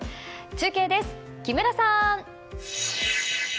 中継です、木村さん。